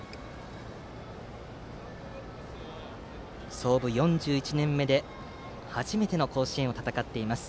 創部４１年目で初めての甲子園を戦っています。